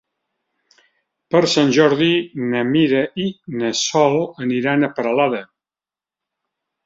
Per Sant Jordi na Mira i na Sol aniran a Peralada.